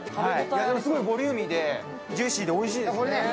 すごいボリューミーでジューシーでおいしいです。